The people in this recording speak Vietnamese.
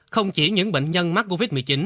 không chỉ những bệnh nhân mắc covid một mươi chín